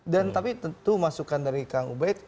dan tapi tentu masukan dari kang ubaid